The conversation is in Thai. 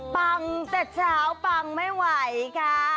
ปังแต่เช้าปังไม่ไหวค่ะ